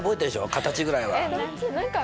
形ぐらいは。